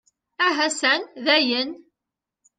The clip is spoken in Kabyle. Ahasan dayen!